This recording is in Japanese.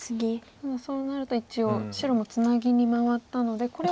ただそうなると一応白もツナギに回ったのでこれは。